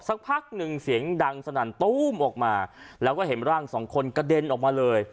สักพักหนึ่งเสียงดังสนั่นตู้มออกมาแล้วก็เห็นร่างสองคนกระเด็นออกมาเลย